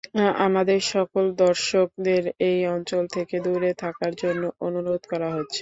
আমাদের সকল দর্শকদের এই অঞ্চল থেকে দূরে থাকার জন্য অনুরোধ করা হচ্ছে।